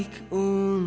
gue akan pergi